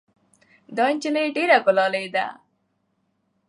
دا نجلۍ ډېره ګلالۍ ده.